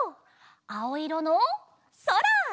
あおいろのそら！